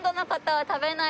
はい。